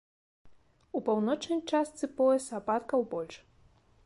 У паўночнай частцы пояса ападкаў больш.